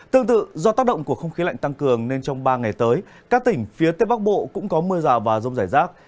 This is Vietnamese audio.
tương tự do tác động của không khí lạnh tăng cường nên trong ba ngày tới các tỉnh phía tây bắc bộ cũng có mưa rào và rông rải rác